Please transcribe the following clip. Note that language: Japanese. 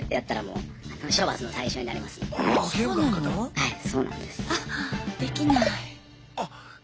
はいそうなんです。